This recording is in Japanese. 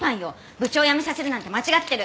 部長を辞めさせるなんて間違ってる。